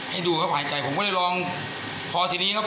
ให้ดูครับหายใจผมก็เลยลองพอทีนี้ครับ